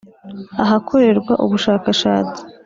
Ahakorerwa ubushakashatsi